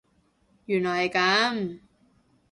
原來係噉